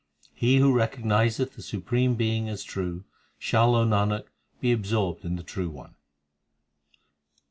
He who recognizeth the Supreme Being as true, Shall, O Nanak, be absorbed in the True One.